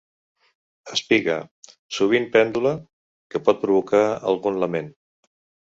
Espiga, sovint pèndula, que pot provocar algun lament.